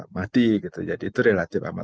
mati gitu jadi itu relatif amat